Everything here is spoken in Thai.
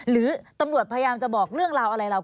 หรือตำรวจพยายามจะบอกเรื่องราวอะไรเรา